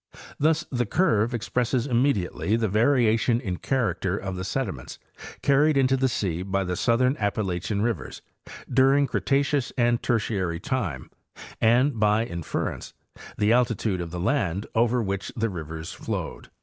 Thus the curve expresses imme diately the variation in character of the sediments carried into the sea by the southern Appalachian rivers during Cretaceous and Tertiary time and, by inference, the altitude of the land over which the rivers flowed.